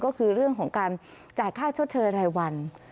ก็คือเรื่องของการจ่ายค่าชดเชยรายวัน